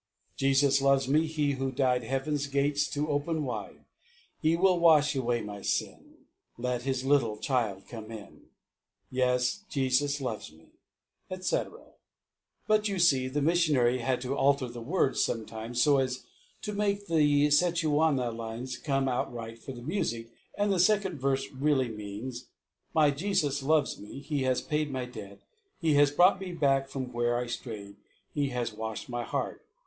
2. "Jesus loves me, He who died Heaven's gate to open wide; He will wash away my sin, Let His little child come in. "Yes, Jesus loves me," etc. But, you see, the missionary had to alter the words sometimes so as to make the Sechuana lines come right for the music; and the second verse really means: "My Jesus loves me; He has paid my debt; He has brought me back from where I strayed; He has washed my heart.